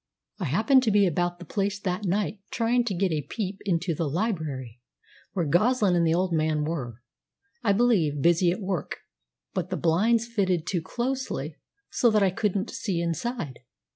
"I happened to be about the place that night, trying to get a peep into the library, where Goslin and the old man were, I believe, busy at work. But the blinds fitted too closely, so that I couldn't see inside.